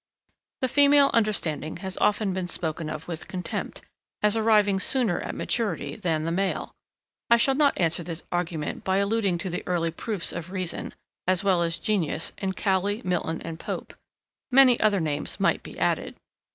The female understanding has often been spoken of with contempt, as arriving sooner at maturity than the male. I shall not answer this argument by alluding to the early proofs of reason, as well as genius, in Cowley, Milton, and Pope, (Many other names might be added.)